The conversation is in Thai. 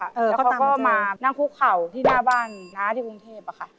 แล้วก็เขาก็มานั่งคุกเข่าที่หน้าบ้านน้าที่กรุงเทพอะค่ะ